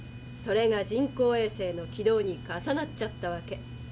それが人工衛星の軌道に重なっちゃったわけ。